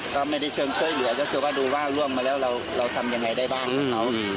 ก็ไม่ได้เชิงช่วยเหลือก็คือว่าดูว่าล่วงมาแล้วเราทำยังไงได้บ้างของเขา